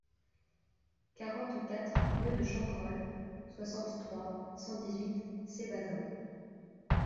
quarante-quatre rue de Chancrole, soixante-trois, cent dix-huit, Cébazat